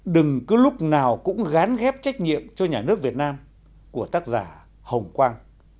đừng cứ lúc nào cũng gán ghép trách nhiệm cho nhà nước việt nam của tác giả hồng quang